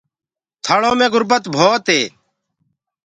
ٿݪو مي گُربت ڀوت هي